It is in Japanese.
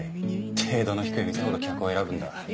程度の低い店ほど客を選ぶんだ。